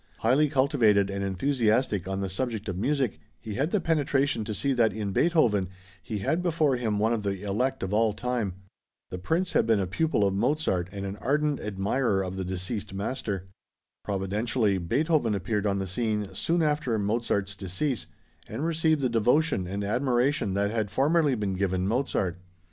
Highly cultivated and enthusiastic on the subject of music, he had the penetration to see that in Beethoven he had before him one of the elect of all time. The Prince had been a pupil of Mozart and an ardent admirer of the deceased master. Providentially, Beethoven appeared on the scene soon after Mozart's decease, and received the devotion and admiration that had formerly been given Mozart.